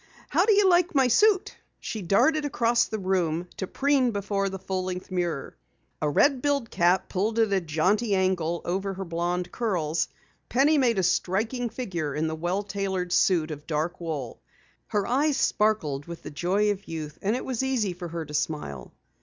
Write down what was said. How do you like my suit?" She darted across the room to preen before the full length mirror. A red billed cap pulled at a jaunty angle over her blond curls, Penny made a striking figure in the well tailored suit of dark wool. Her eyes sparkled with the joy of youth and it was easy for her to smile.